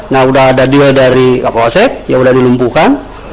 nah udah ada dia dari kapal aset ya udah dilumpuhkan